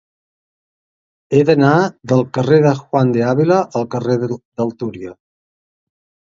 He d'anar del carrer de Juan de Ávila al carrer del Túria.